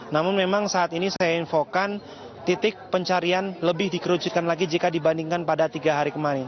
namun memang saat ini saya infokan titik pencarian lebih dikerucutkan lagi jika dibandingkan pada tiga hari kemarin